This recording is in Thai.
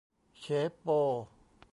เฉโป ?